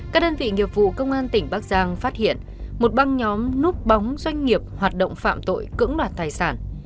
các đơn vị nghiệp vụ công an tỉnh bắc giang phát hiện một băng nhóm núp bóng doanh nghiệp hoạt động phạm tội cưỡng đoạt tài sản